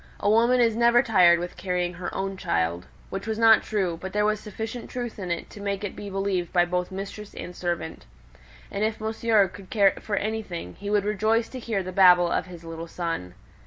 A woman is never tired with carrying her own child" (which was not true; but there was sufficient truth in it to make it believed by both mistress and servant), "and if Monsieur could care for anything, he would rejoice to hear the babble of his little son."